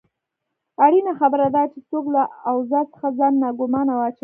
اړینه خبره داده چې څوک له اوضاع څخه ځان ناګومانه واچوي.